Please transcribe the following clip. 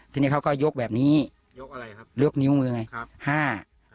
ทีนี้เขาก็ยกแบบนี้ยกนิ้วมือไง๕